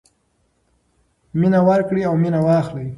مینه ورکړئ او مینه واخلئ.